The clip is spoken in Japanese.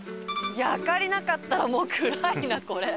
明かりなかったらもう暗いなこれ。